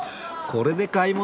これで買い物！？